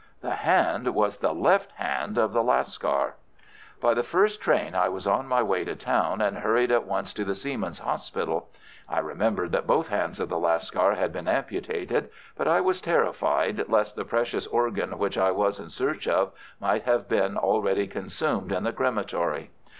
The hand was the left hand of the Lascar. By the first train I was on my way to town, and hurried at once to the Seamen's Hospital. I remembered that both hands of the Lascar had been amputated, but I was terrified lest the precious organ which I was in search of might have been already consumed in the crematory.